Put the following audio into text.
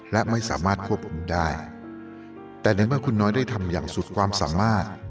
และไม่สามารถควบคุมได้แต่ในเมื่อคุณน้อยได้ทำอย่างสุดความสามารถ